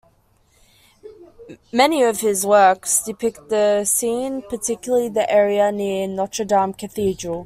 Many of his works depict the Seine, particularly the area near Notre-Dame Cathedral.